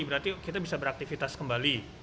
berarti kita bisa beraktivitas kembali